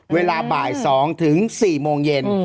เวลาบ่าย๒ถึง๔โมงเย็น